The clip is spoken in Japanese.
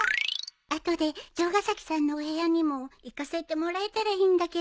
後で城ヶ崎さんのお部屋にも行かせてもらえたらいいんだけど